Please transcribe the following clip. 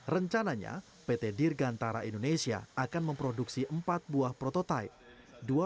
rencananya pt dirgantara indonesia akan memproduksi empat buah prototipe